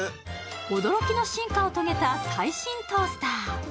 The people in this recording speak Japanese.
驚きの進化を遂げた最新トースター。